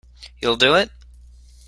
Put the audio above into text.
You'll do it?